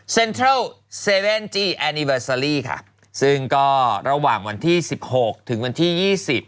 เทิลเซเว่นจี้แอนิเวอร์ซาลี่ค่ะซึ่งก็ระหว่างวันที่สิบหกถึงวันที่ยี่สิบ